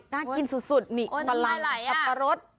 น่ากินสุดนี่ผลั้นปลารส